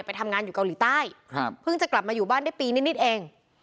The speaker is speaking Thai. เพิ่งจะกลับมาอยู่บ้านได้ปีนิดเอง